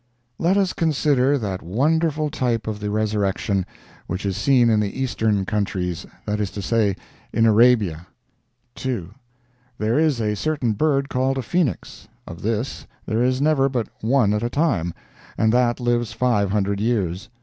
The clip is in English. Let us consider that wonderful type of the resurrection, which is seen in the Eastern countries, that is to say, in Arabia. "2. There is a certain bird called a phoenix. Of this there is never but one at a time, and that lives five hundred years.